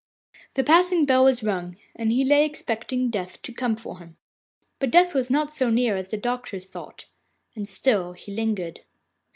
The passing bell was rung, and he lay expecting Death to come for him. But Death was not so near as the doctors thought, and still he lingered.